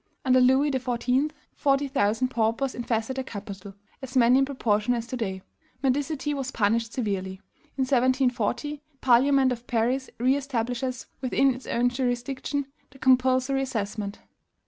"Under Louis XIV., forty thousand paupers infested the capital [as many in proportion as to day]. Mendicity was punished severely. In 1740, the Parliament of Paris re establishes within its own jurisdiction the compulsory assessment.